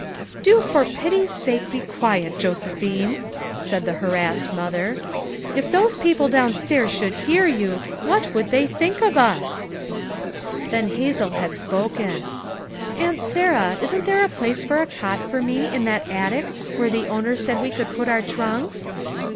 "Do for pity's sake be quiet, Josephine," said the harassed mother. "If those people downstairs should hear you, what would they think of us !" FOUR MOTHERS AT CHAUTAUQUA 105 Then Hazel had spoken. "Aunt Sarah, isn't there a place for a cot for me in that attic where the owner said we could put our trunks?"